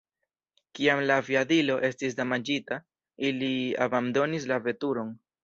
Kiam la aviadilo estis damaĝita, ili abandonis la veturon.